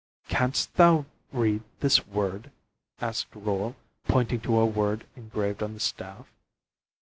"Canst thou read this word?" asked Reuel, pointing to a word engraved on the staff.